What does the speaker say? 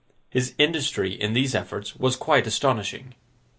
His industry in these efforts was quite astonishing.